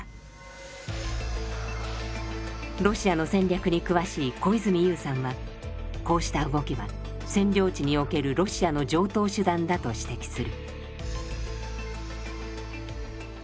ロシアの戦略に詳しい小泉悠さんはこうした動きは占領地におけるロシアの常とう手段だと指摘する。